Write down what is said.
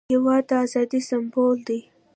هېواد د ازادۍ سمبول دی.